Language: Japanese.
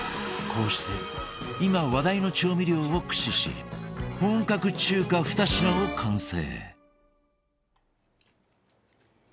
こうして今話題の調味料を駆使し本格中華２品を完成